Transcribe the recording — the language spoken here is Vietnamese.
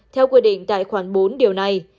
theo quy định tại khoảng bốn điều này